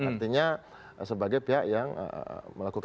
artinya sebagai pihak yang melakukan